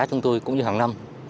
chúng tôi cũng như hàng năm